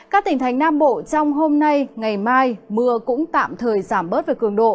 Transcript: các tỉnh thành nam bộ trong hôm nay ngày mai mưa cũng tạm thời giảm bớt về cường độ